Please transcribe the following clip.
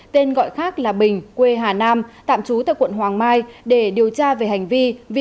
tên gọi khác là bình quê hà nam tạm trú tại quận hoàng mai để điều tra về hành vi